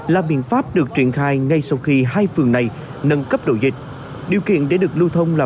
là biện pháp được triển khai ngay sau khi hai phường này nâng cấp độ dịch điều kiện để được lưu thông là